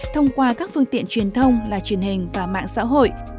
thông qua các phương tiện truyền thông là truyền hình và mạng xã hội